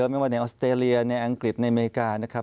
ไม่ว่าในออสเตรเลียในอังกฤษในอเมริกานะครับ